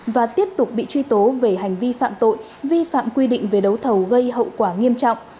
và tiếp tục bị truy tố về hành vi phạm tội vi phạm quy định về đấu thầu gây hậu quả nghiêm trọng